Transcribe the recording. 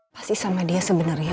pasti sama dia sebenarnya